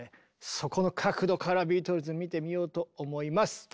そこの角度からビートルズ見てみようと思います！